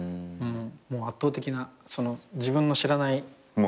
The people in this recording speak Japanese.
もう圧倒的な自分の知らない。